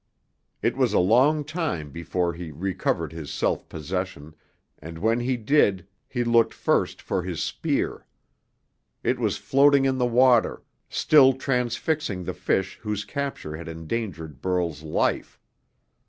It was a long time before he recovered his self possession, and when he did he looked first for his spear. It was floating in the water, still transfixing the fish whose capture had endangered Burl's life.